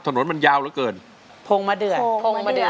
ถนนมันยาวเหลือเกิน